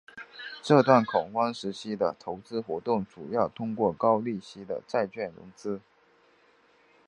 这段恐慌时期的投资活动主要通过高利息债券融资。